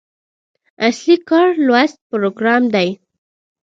اصلي کار لوست پروګرام دی.